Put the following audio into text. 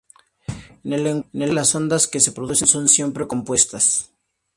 En el lenguaje las ondas que se producen son siempre "compuestas".